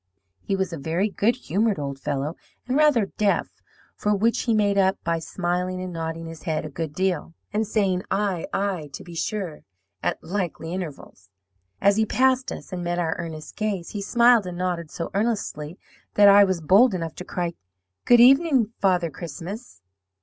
He was a very good humoured old fellow, and rather deaf, for which he made up by smiling and nodding his head a good deal, and saying, 'aye, aye, to be sure!' at likely intervals. "As he passed us and met our earnest gaze, he smiled and nodded so earnestly that I was bold enough to cry, 'Good evening, Father Christmas!'